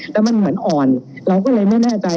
แต่มันเหมือนอ่อนเราก็เลยไม่แน่ใจ